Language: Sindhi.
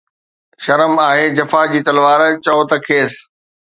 شرم آهي جفا جي تلوار، چؤ ته کيس